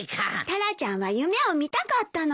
タラちゃんは夢を見たかったのよ。